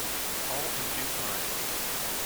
All in due time.